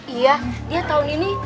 iya dia tahun ini